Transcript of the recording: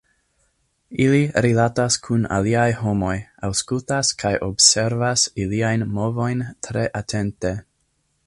Ili rilatas kun aliaj homoj, aŭskultas kaj observas iliajn movojn tre atente.